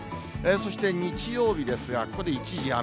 そして日曜日ですが、ここで一時雨。